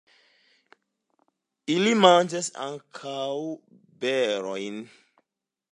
Ili manĝas ankaŭ berojn.